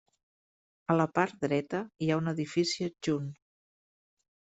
A la part dreta hi ha un edifici adjunt.